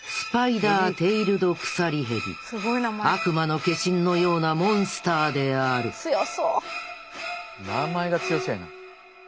悪魔の化身のようなモンスターである名前が強そうやな。